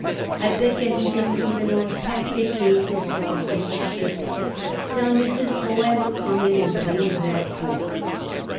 I bet yer he didn't even unpack the cases before he reshipped. Tell Miss Cohen to come in and bring her book."